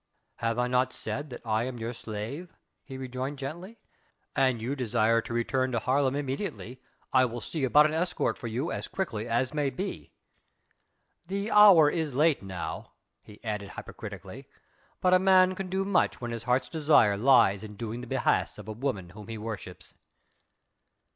"Have I not said that I am your slave?" he rejoined gently, "an you desire to return to Haarlem immediately, I will see about an escort for you as quickly as may be. The hour is late now," he added hypocritically, "but a man can do much when his heart's desire lies in doing the behests of a woman whom he worships."